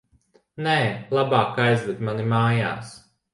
Nē, labāk aizved mani mājās.